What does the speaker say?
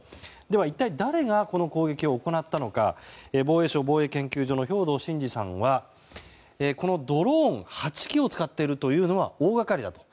は、一体誰がこの攻撃を行ったのか防衛省防衛研究所の兵頭慎治さんはこのドローン８機を使っているのは大掛かりだと。